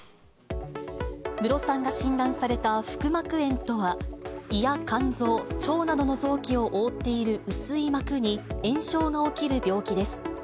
ムロさんが診断された腹膜炎とは、胃や肝臓、腸などの臓器を覆っている薄い膜に炎症が起きる病気です。